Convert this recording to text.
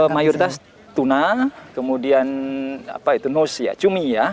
mayoritas tuna kemudian cumi ya